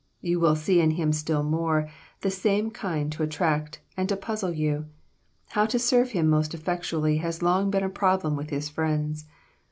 You will see in him still more of the same kind to attract and to puzzle you. How to serve him most effectually has long been a problem with his friends.